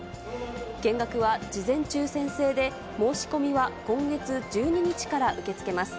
見学は事前抽せん制で、申し込みは今月１２日から受け付けます。